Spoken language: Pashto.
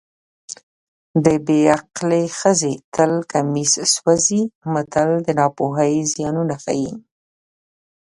د بې عقلې ښځې تل کمیس سوځي متل د ناپوهۍ زیانونه ښيي